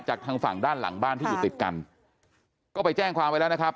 ทางฝั่งด้านหลังบ้านที่อยู่ติดกันก็ไปแจ้งความไว้แล้วนะครับ